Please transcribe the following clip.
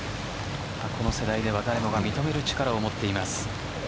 この世代では誰もが認める力を持っています。